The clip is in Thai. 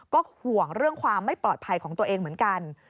ก็ห่วงเรื่องความไม่ปลอดภัยของตัวเองเหมือนกัน